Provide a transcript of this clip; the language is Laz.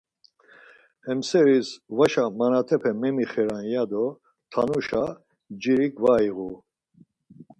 Hem seris varşa manatepe memixiran ya do tanuşa ncirik var iğu.